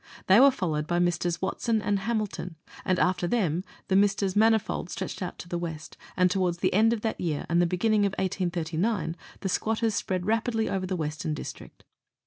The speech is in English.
They were followed by Messrs. Watson and Hamilton, and after them the Messrs. Manifold stretched out to the west, and towards the end of that year and the beginning of 1839 the squatters spread rapidly over the Western District.